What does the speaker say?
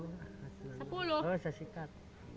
oh nges tuh sesikat